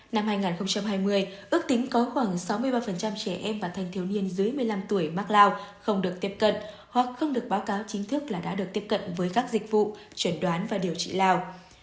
năm hai nghìn hai mươi ước tính có khoảng sáu mươi ba trẻ em và thanh thiếu niên dưới một mươi năm tuổi mắc lao không được tiếp cận hoặc không được báo cáo chính thức là đã được tiếp cận với các dịch vụ chuẩn đoán và điều trị lào